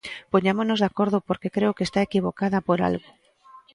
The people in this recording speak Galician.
Poñámonos de acordo porque creo que está equivocada por algo.